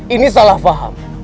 ini salah faham